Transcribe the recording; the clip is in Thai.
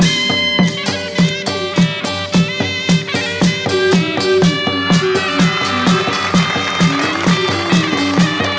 เป็นวันนี้คือนข้อ